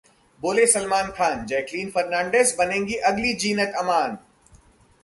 बोले सलमान खान, 'जैकलीन फर्नांडिस बनेगी अगली जीनत अमान'